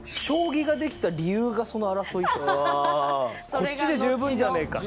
こっちで十分じゃねえかっつって。